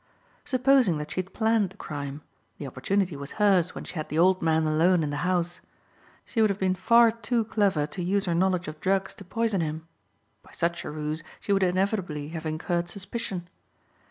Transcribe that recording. Supposing that she had planned the crime, the opportunity was hers when she had the old man alone in the house. She would have been far too clever to use her knowledge of drugs to poison him. By such a ruse she would inevitably have incurred suspicion.